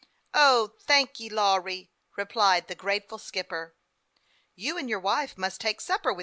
O, thank ye, Lawry," replied the grateful skipper. "^. ou and your wife must take supper with me."